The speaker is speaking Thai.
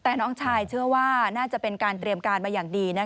แต่น้องชายเชื่อว่าน่าจะเป็นการเตรียมการมาอย่างดี